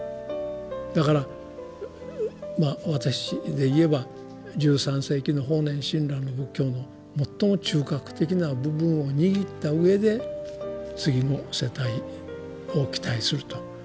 だからまあ私で言えば１３世紀の法然親鸞の仏教の最も中核的な部分を握ったうえで次の世代を期待すると。